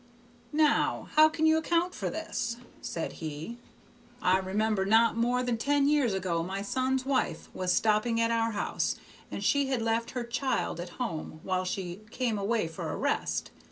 "Now, how can you account for this?" said he. "I remember not more than ten years ago my son's wife was stopping at our house, and she had left her child at home while she come away for a rest.